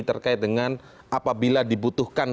terkait dengan apabila dibutuhkan